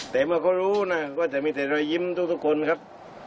แต่เมื่อเขารู้นะว่าจะมีแต่รอยยิ้มทุกคนครับ